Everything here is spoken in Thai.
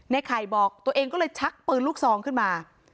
ไข่บอกตัวเองก็เลยชักปืนลูกซองขึ้นมา